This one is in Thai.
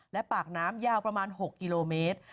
และปากน้ำยาวประมาณ๖กิโลเมตร